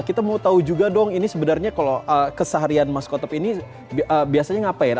kita mau tahu juga dong ini sebenarnya kalau keseharian mas kotop ini biasanya ngapain